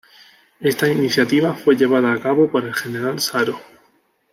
Esta iniciativa fue llevada a cabo por el General Saro.